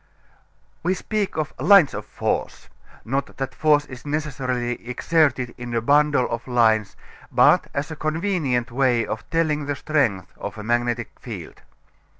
We speak of lines of force, not that force is necessarily exerted in a bundle of lines but as a convenient way of telling the strength of a magnetic field.